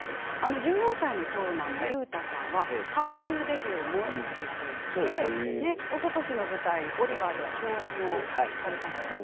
１４歳の長男の優汰さんは俳優デビューもされていておととしの舞台「オリバー！」では共演もされたんですよね。